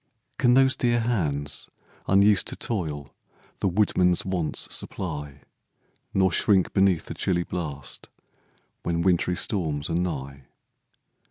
Can those dear hands, unused to toil, The woodman's wants supply, Nor shrink beneath the chilly blast When wintry storms are nigh?